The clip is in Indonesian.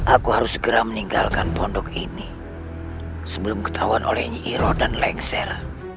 aku harus segera meninggalkan pondok ini sebelum ketahuan olehnya iro dan lengser